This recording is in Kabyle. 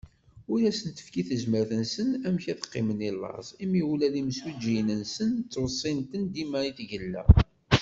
Ur asen-tefki tezmert-nsen amek ad qqimen i laẓ, imi ula d imsujjiyen-nsen ttwessin-ten dima i tgella.